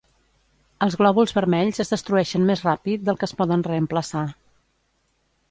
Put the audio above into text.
Els glòbuls vermells es destrueixen més ràpid del que es poden reemplaçar